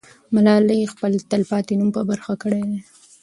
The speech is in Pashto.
ملالۍ خپل تل پاتې نوم په برخه کړی دی.